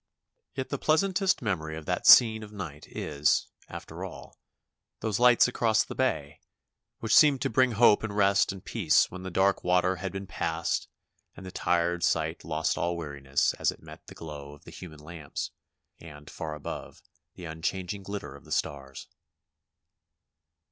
Yet the pleasantest memory of that scene of night is, after all, those lights across the bay, which seemed to bring hope and rest and peace when the dark water had been passed and the tired sight lost all weariness as it met the glow of DIVERSIONS OF A CONVALESCENT 279 the human lamps and, far above, the unchanging glitter of the stars.